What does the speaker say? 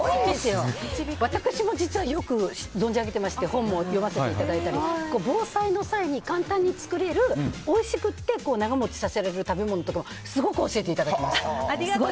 私も実は存じ上げていまして防災の際に簡単に作れるおいしくて長持ちさせられる食べ物とかすごく教えていただきました。